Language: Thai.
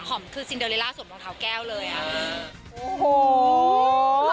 หอมคือซินเดอเลล่าสวมรองเท้าแก้วเลยอ่ะโอ้โห